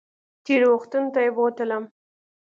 تېرو وختونو ته یې بوتلم